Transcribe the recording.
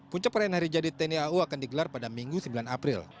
puncak perayaan hari jadi tni au akan digelar pada minggu sembilan april